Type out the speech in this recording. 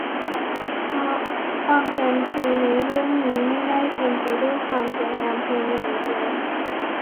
เพราะความแฟนตาซีในเรื่องนี้ไม่ได้เต็มไปด้วยความสวยงามเพียงอย่างเดียว